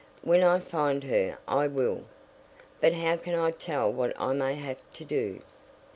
When I find her I will But how can I tell what I may have to do?"